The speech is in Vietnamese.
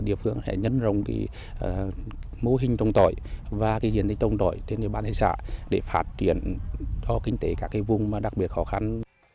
địa phương sẽ nhấn rộng mô hình tổng tỏi và diện tích tổng tỏi trên địa phương để phát triển cho kinh tế các vùng đặc biệt khó khăn